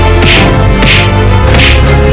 aku akan menang